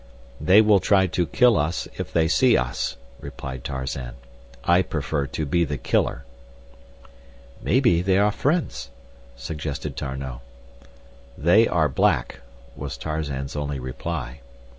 "They will try to kill us if they see us," replied Tarzan. "I prefer to be the killer." "Maybe they are friends," suggested D'Arnot. "They are black," was Tarzan's only reply.